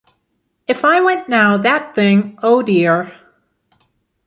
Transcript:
If I went now, that thing — oh dear!